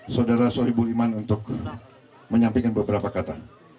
saudara saudara ibu iman untuk menyampaikan beberapa kata